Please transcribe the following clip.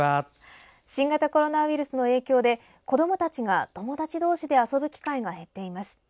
新型コロナウイルスの影響で子どもたちが友達同士で遊ぶ機会が減っています。